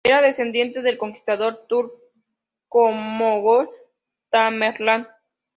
Era descendiente del conquistador turco-mogol Tamerlán.